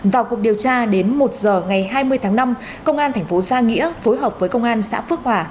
vào cuộc điều tra đến một giờ ngày hai mươi tháng năm công an tp giang nghĩa phối hợp với công an xã phước hòa